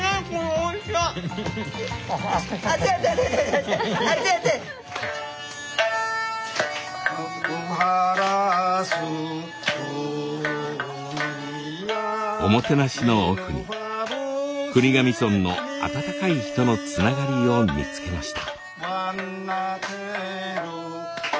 おもてなしの奥に国頭村の温かい人のつながりを見つけました。